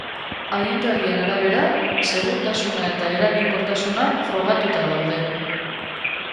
Agintarien arabera, segurtasuna eta eraginkortasuna frogatuta daude.